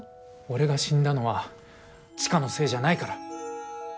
俺が死んだのは千佳のせいじゃないから。